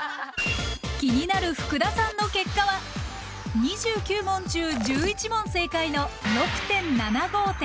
気になる福田さんの結果は２９問中１１問正解の６．７５点。